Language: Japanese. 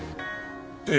ええ。